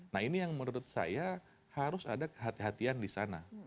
nah ini yang menurut saya harus ada kehatian kehatian di sana